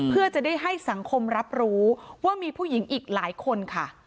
เพื่อจะได้ให้สังคมรับรู้ว่ามีผู้หญิงอีกหลายคนค่ะ